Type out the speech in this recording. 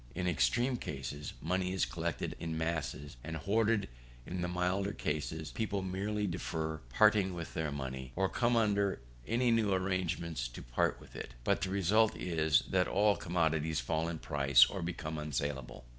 In extreme cases, money is collected in masses, and hoarded; in the milder cases, people merely defer parting with their money, or coming under any new engagements to part with it. But the result is, that all commodities fall in price, or become unsaleable.